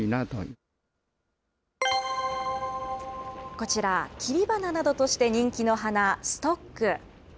こちら、切り花などとして人気の花、ストック。